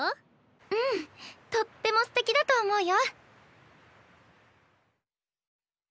うんとってもステキだと思うよ。